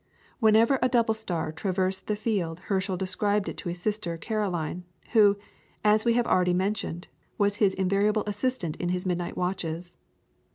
Whenever a double star traversed the field Herschel described it to his sister Caroline, who, as we have already mentioned, was his invariable assistant in his midnight watches.